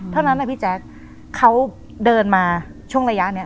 เท่านั้นนะพี่แจ๊คเขาเดินมาช่วงระยะนี้